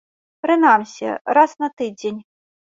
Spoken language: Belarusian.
Прынамсі, раз на тыдзень.